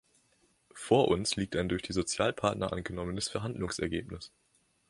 Vor uns liegt ein durch die Sozialpartner angenommenes Verhandlungsergebnis.